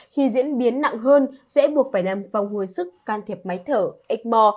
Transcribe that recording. khi diễn biến nặng hơn sẽ buộc phải làm vòng hồi sức can thiệp máy thở ếch bò